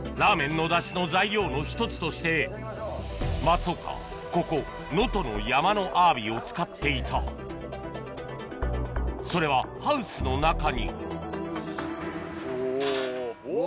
の１つとして松岡はここ能登の山のアワビを使っていたそれはハウスの中におぉ。